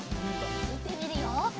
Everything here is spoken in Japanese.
いってみるよ。